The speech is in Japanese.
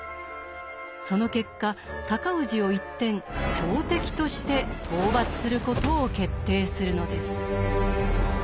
その結果尊氏を一転朝敵として討伐することを決定するのです。